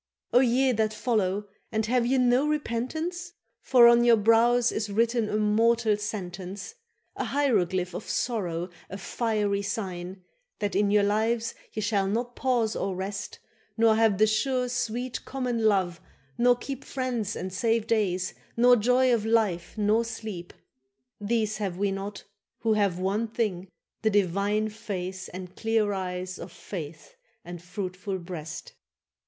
—O ye that follow, and have ye no repentance? For on your brows is written a mortal sentence, An hieroglyph of sorrow, a fiery sign, That in your lives ye shall not pause or rest, Nor have the sure sweet common love, nor keep Friends and safe days, nor joy of life nor sleep. —These have we not, who have one thing, the divine Face and clear eyes of faith and fruitful breast.